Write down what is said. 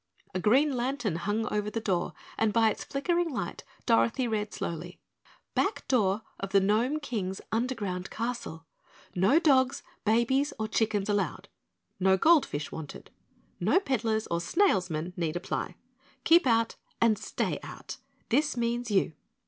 A green lantern hung over the door and by its flickering light Dorothy read slowly: "Back door of the Gnome King's Underground Castle. No dogs, babies or chickens allowed. No gold fish wanted. No peddlers or snailsmen need apply. Keep out and stay out. This means YOU."